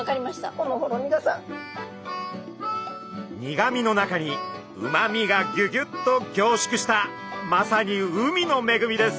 苦みの中にうまみがぎゅぎゅっと凝縮したまさに海のめぐみです。